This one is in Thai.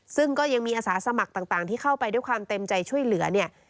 ซึ่งก็ยังมีอาสาสมัครต่างที่เข้าไปด้วยความเต็มใจช่วยเหลือเนี่ย